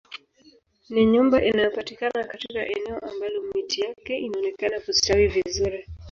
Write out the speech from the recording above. Ni nyumba inayopatikana katika eneo ambalo miti yake inaonekana kustawi vizuri